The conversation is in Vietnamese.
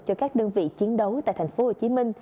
cho các đơn vị chiến đấu tại tp hcm